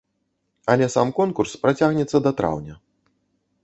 Але сам конкурс працягнецца да траўня.